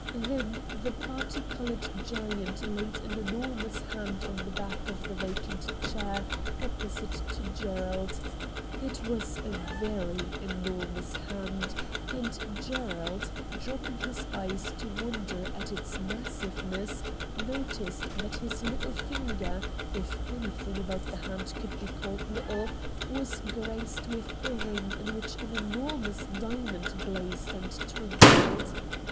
Then the parti coloured giant laid an enormous liaud on the back of the vacant chair opposite to Gerald — it was a very enormous hand, and Gerald dropping his eyes to wonder at its VOL. I. D 34 RED DIAMONDS massiveness noticed that his little finger, if anything about the hand could be called little, was crraced with a rino^ in which an enormous diamond blazed and twinkled.